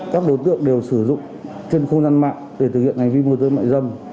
các đối tượng đều sử dụng trên khu năn mạng để thực hiện hành vi môi giới mại dâm